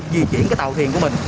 di chuyển cái tàu thiền của mình